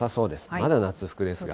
まだ夏服ですが。